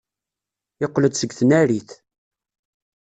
Yeqqel-d seg tnarit.